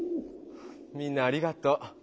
みんなありがとう。